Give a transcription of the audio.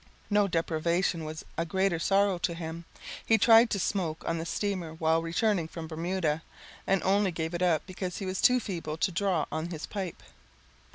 No deprivation was a greater sorrow to him. He tried to smoke on the steamer while returning from Bermuda, and only gave it up because he was too feeble to draw on his pipe.